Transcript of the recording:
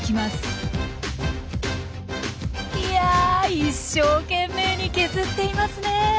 いや一生懸命に削っていますねえ。